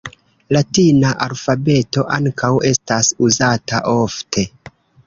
Latina alfabeto ankaŭ estas uzata ofte.